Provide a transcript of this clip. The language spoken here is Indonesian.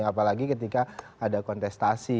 apalagi ketika ada kontestasi